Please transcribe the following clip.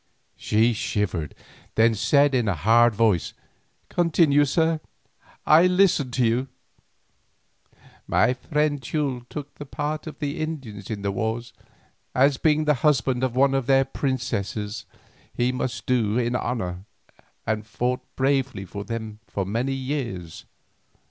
She shivered, then said in a hard voice, "Continue, sir; I listen to you." "My friend Teule took the part of the Indians in the wars, as being the husband of one of their princesses he must do in honour, and fought bravely for them for many years.